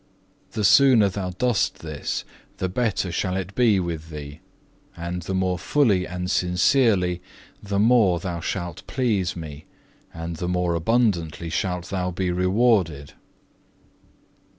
The sooner thou dost this, the better shall it be with thee; and the more fully and sincerely, the more thou shalt please Me, and the more abundantly shalt thou be rewarded.